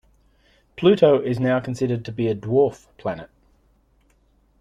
Pluto is now considered to be a dwarf planet